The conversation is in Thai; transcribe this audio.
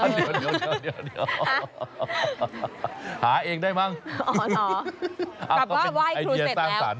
เดี๋ยวหาเองได้บ้างอ๋อหนอกลับว่าไหว้ครูเสร็จแล้ว